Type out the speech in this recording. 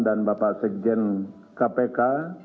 dan bapak sekjen kpk